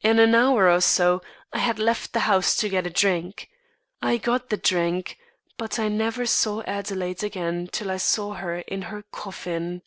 In an hour or so, I had left the house to get a drink. I got the drink, but I never saw Adelaide again till I saw her in her coffin."